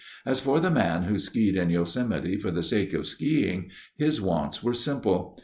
As for the man who skied in Yosemite for the sake of skiing, his wants were simple.